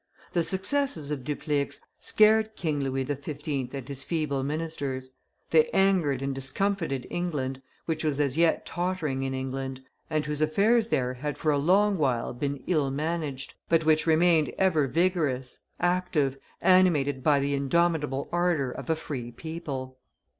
The successes of Dupleix scared King Louis XV. and his feeble ministers; they angered and discomfited England, which was as yet tottering in India, and whose affairs there had for a long while been ill managed, but which remained ever vigorous, active, animated by the indomitable ardor of a free people.